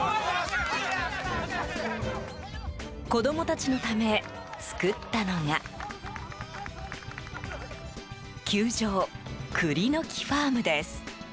子供たちのため作ったのが球場、栗の樹ファームです。